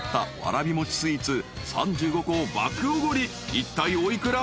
［いったいお幾ら？］